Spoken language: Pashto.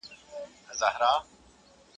غنم او جوار یو ځای نه کرل کېږي.